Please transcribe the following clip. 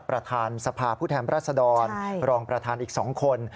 ประธานสภาผู้แทนรัศดรรองประธานอีก๒คน